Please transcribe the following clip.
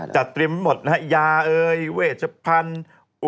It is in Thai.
จะเตรียมหมดนะฮะยาเอ่ยเวชพันธุ์